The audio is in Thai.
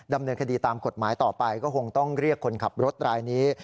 ดำเนินคดีตามกฎหมายต่อไปก็คงต้องเรียกคนขับรถรายนี้